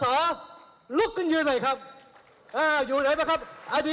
โอ้ยมากันเต็มหมด